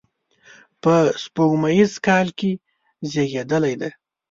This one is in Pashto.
په سپوږمیز کال کې زیږېدلی دی.